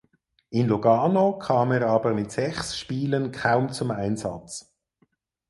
In Lugano kam er aber mit sechs Spielen kaum zum Einsatz.